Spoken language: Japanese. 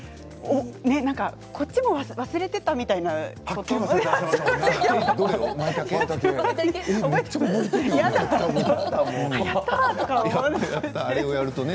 こっちも忘れていたみたいなことをね。